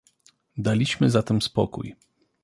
"Daliśmy zatem spokój."